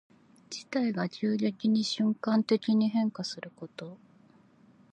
事態が急激に瞬間的に変化すること。